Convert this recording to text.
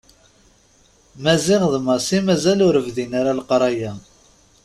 Maziɣ d Massi mazal ur bdin ara leqraya.